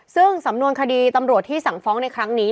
ซึ่งสำนวนคดีตำรวจที่สั่งฟ้องในครั้งนี้